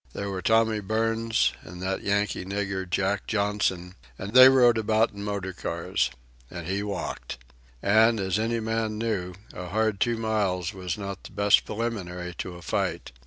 There were Tommy Burns and that Yankee nigger, Jack Johnson they rode about in motor cars. And he walked! And, as any man knew, a hard two miles was not the best preliminary to a fight.